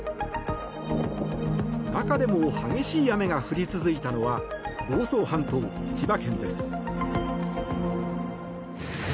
中でも激しい雨が降り続いたのは房総半島、千葉県です。